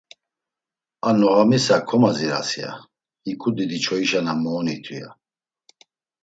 A noğamisa komaziras, ya; hiǩu Didiçoyişa na moonitu, ya.